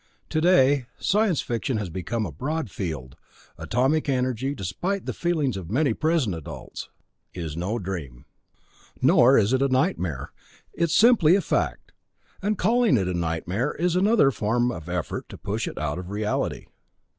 Today, science fiction has become a broad field, atomic energy despite the feelings of many present adults! is no dream. (Nor is it a nightmare; it is simply a fact, and calling it a nightmare is another form of effort to push it out of reality.)